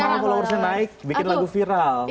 karena followersnya naik bikin lagu viral